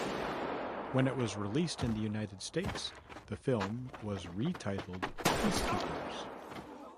When it was released in the United States, the film was re-titled "Peacekeepers".